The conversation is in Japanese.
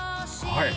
はい？